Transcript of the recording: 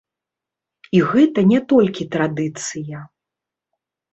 І гэта не толькі традыцыя.